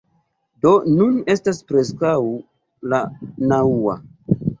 Do, nun estas preskaŭ la naŭa